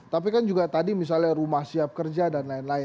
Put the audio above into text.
tapi kan juga tadi misalnya rumah siap kerja dan lain lain